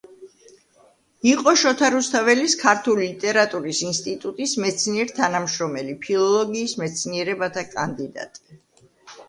იყო შოთა რუსთაველის ქართული ლიტერატურის ინსტიტუტის მეცნიერ-თანამშრომელი, ფილოლოგიის მეცნიერებათა კანდიდატი.